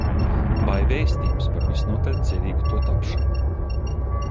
Vai vēstījums par visnotaļ cerīgu to tapšanu.